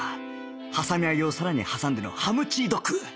はさみ揚げをさらに挟んでのハムチードッグ！